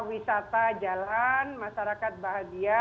wisata jalan masyarakat bahagia